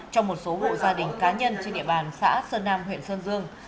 cho một số hộ gia đình cá nhân trên địa bàn xã sơn nam huyện sơn dương